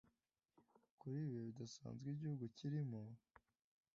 kuri ibi bihe bidasanzwe igihugu kirimo,